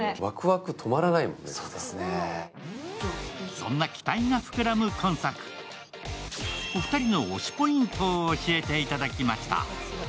そんな期待が膨らむ今作、お二人の推しポイントを教えていただきました。